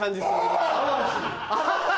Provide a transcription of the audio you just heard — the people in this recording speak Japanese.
ハハハ！